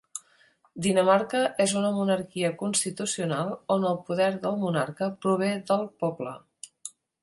Dinamarca és una monarquia constitucional on el poder del monarca prové del poble.